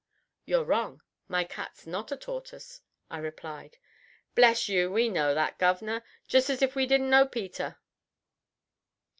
"You're wrong. My cat's not a tortoise," I replied. "Bless you, we know that, guv'nor. Just as if we didn't know Peter!